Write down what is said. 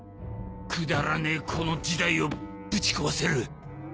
くだらねえこの時代をぶち壊せる。